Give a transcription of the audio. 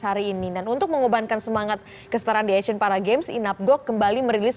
hari ini dan untuk mengobankan semangat kesetaraan di asian para games inapgok kembali merilis